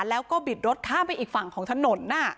แล้วก็บิดรถข้ามไปอีกฝั่งของถนน